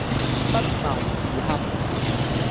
不謀而合